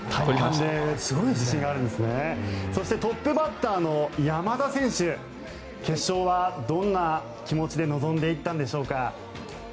そして、トップバッターの山田選手、決勝はどんな気持ちで臨んでいったんでしょうか。